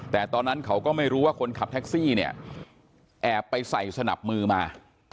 แต่ตอนนั้นเขาก็ไม่รู้ว่าคนขับแท็กซี่เนี่ยแอบไปใส่สนับมือมา